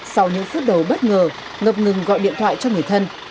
sau những phút đầu bất ngờ ngập ngừng gọi điện thoại cho người thân